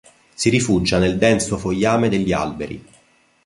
Si rifugia nel denso fogliame degli alberi.